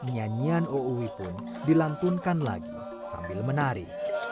nyanyian uuwi pun dilantunkan lagi sambil menari